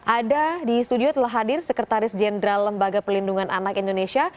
ada di studio telah hadir sekretaris jenderal lembaga pelindungan anak indonesia